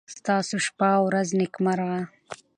ستاسو شپه او ورځ نېکمرغه.